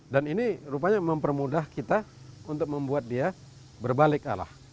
dan ini rupanya mempermudah kita untuk membuat dia berbalik alah